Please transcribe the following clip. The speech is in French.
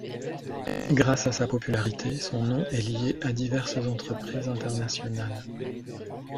Grâce à sa popularité, son nom est lié à diverses entreprises internationales.